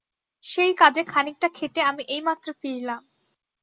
সেই কাজে খানিকটা খেটে আমি এইমাত্র ফিরলাম।